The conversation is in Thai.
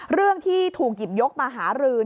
เรื่องที่ถูกหยิบยกมาหารือ